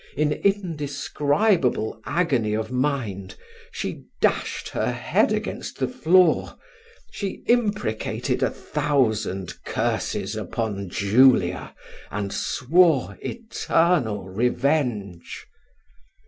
In indescribable agony of mind, she dashed her head against the floor she imprecated a thousand curses upon Julia, and swore eternal revenge.